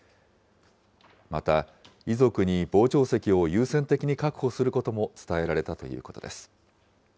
また、遺族に傍聴席を優先的に確保することも伝えられたということです。